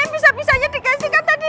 bisa bisanya di kasih kan tadi